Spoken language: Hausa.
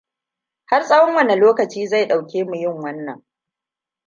Har tsawon wani lokaci zai ɗauke mu yin wannan?